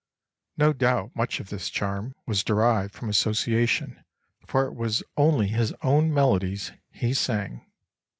No doubt much of this charm was derived from association, for it was only his own melodies he sang."